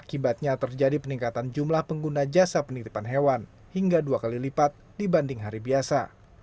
akibatnya terjadi peningkatan jumlah pengguna jasa penitipan hewan hingga dua kali lipat dibanding hari biasa